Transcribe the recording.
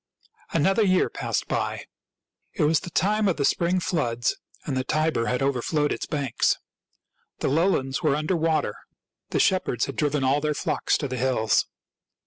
Another year passed by. It was the time of the spring floods, and the Tiber had overflowed its banks. The lowlands were under water. The shepherds had driven all their flocks to the hills.